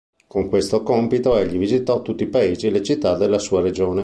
Con questo compito egli visitò tutti i paesi e le città della sua regione.